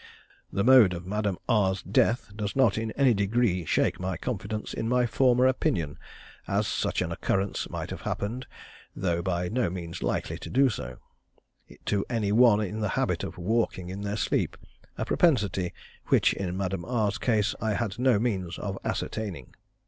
The mode of Madame R's death does not in any degree shake my confidence in my former opinion, as such an occurrence might have happened, though by no means likely to do so, to any one in the habit of walking in their sleep, a propensity which in Madame R's case I had no means of ascertaining.